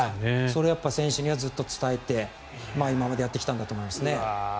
それは選手にはずっと伝えて今までやってきたんだと思いますね。